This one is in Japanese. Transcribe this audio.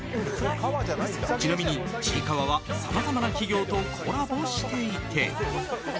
ちなみに、「ちいかわ」はさまざまな企業とコラボしていて。